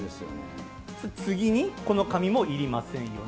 次にこの紙もいりませんよね。